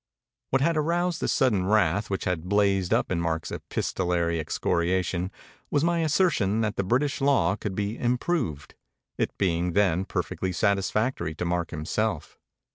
What had aroused the sudden wrath which had blazed up in Mark's epistolary excoriation was my assertion that the British law could l>c improved, it being then perfectly satisfactory to Mark himself.